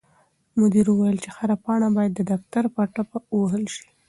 مدیر وویل چې هره پاڼه باید د دفتر په ټاپه ووهل شي.